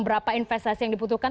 berapa investasi yang dibutuhkan